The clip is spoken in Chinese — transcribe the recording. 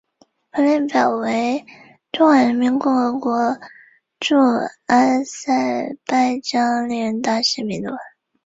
本列表为中华人民共和国驻阿塞拜疆历任大使名录。